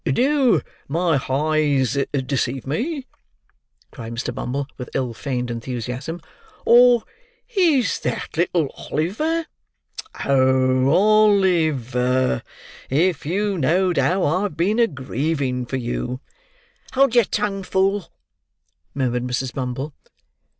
"Do my hi's deceive me!" cried Mr. Bumble, with ill feigned enthusiasm, "or is that little Oliver? Oh O li ver, if you know'd how I've been a grieving for you—" "Hold your tongue, fool," murmured Mrs. Bumble.